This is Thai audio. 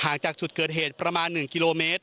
จากจุดเกิดเหตุประมาณ๑กิโลเมตร